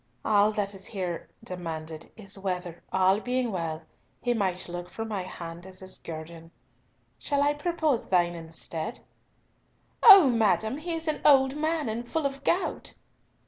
All that is here demanded is whether, all being well, he might look for my hand as his guerdon. Shall I propose thine instead?" "O madam, he is an old man and full of gout!"